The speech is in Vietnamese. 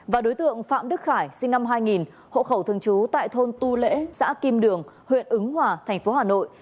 và đối tượng phạm đức khải sinh năm hai nghìn hộ khẩu thường trú tại thôn tu lễ xã kim đường huyện ứng hòa thành phố hà nội